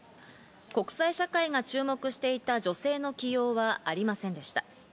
国際社会が注目していた女性の起用はありませんでした。